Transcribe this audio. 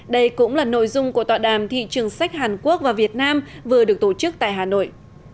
đây cũng là nội dung của tọa đàm thị trường sách hàn quốc và việt nam vừa được tổ chức tại hà nội